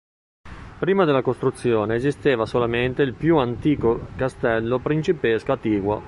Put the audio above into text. Prima della costruzione esisteva solamente il più antico castello principesco attiguo.